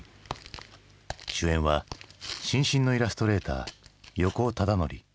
主演は新進のイラストレーター横尾忠則。